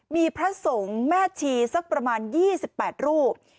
มีพระสงฆ์แม่ชีสักประมาณ๒๘รูป